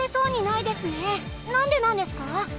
なんでなんですか？